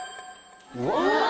うわ！